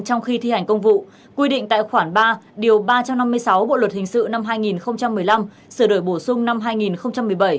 trong khi thi hành công vụ quy định tại khoản ba điều ba trăm năm mươi sáu bộ luật hình sự năm hai nghìn một mươi năm sửa đổi bổ sung năm hai nghìn một mươi bảy